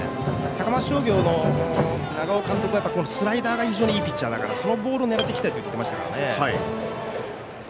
高松商業の長尾監督はスライダーが非常にいいピッチャーなのでそのボールを狙いたいと言っていましたね。